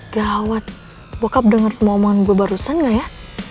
gawat bokap dengar semua omongan gue barusan gak ya